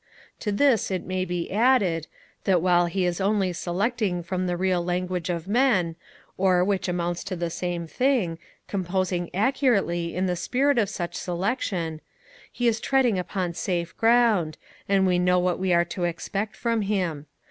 To this it may be added, that while he is only selecting from the real language of men, or, which amounts to the same thing, composing accurately in the spirit of such selection, he is treading upon safe ground, and we know what we are to expect from him.